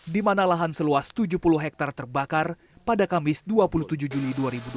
di mana lahan seluas tujuh puluh hektare terbakar pada kamis dua puluh tujuh juli dua ribu dua puluh